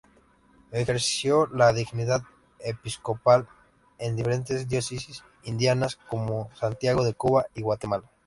Ejerció la dignidad episcopal en diferentes diócesis indianas como Santiago de Cuba y Guatemala.